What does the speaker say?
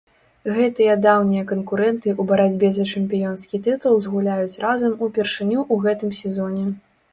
Гэтыя даўнія канкурэнты ў барацьбе за чэмпіёнскі тытул згуляюць разам упершыню ў гэтым сезоне.